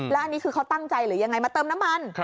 แล้วอันนี้คือเขาตั้งใจหรือยังไงมาเติมน้ำมัน